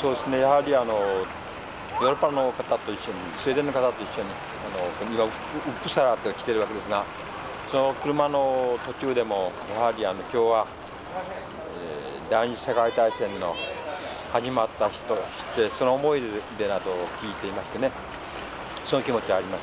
そうですねやはりあのヨーロッパの方と一緒にスウェーデンの方と一緒に僕が来てるわけですがその車の途中でもやはり今日は第２次世界大戦の始まった日としてその思い出などを聞いていましてねその気持ちあります。